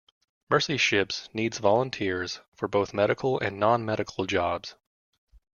Mercy Ships needs volunteers for both medical and non-medical jobs.